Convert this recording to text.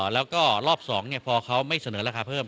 แล้วก็รอบ๒พอเขาไม่เสนอราคาเพิ่ม